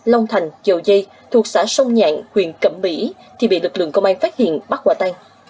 long thành dầu dây thuộc xã sông nhạn huyện cẩm mỹ thì bị lực lượng công an phát hiện bắt quả tan